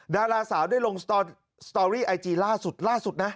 ดาราสาวได้ลงสตอร์รี่ไอจีล่าสุดนะ